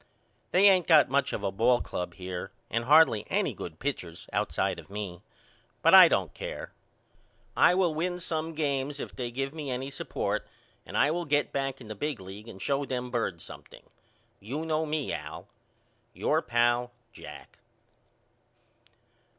They ain't got much of a ball club here and hardly any good pitchers outside of me. But I don't care. I will win some games if they give me any support and I will get back in the big league and show them birds something. You know me, Al. Your pal, JACK.